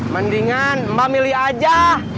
mendingan mbak milih aja